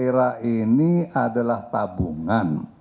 merah ini adalah tabungan